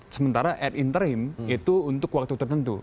sementara at interim itu untuk waktu tertentu